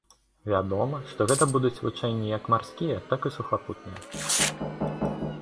Вядома, што гэта будуць вучэнні як марскія, так і сухапутныя.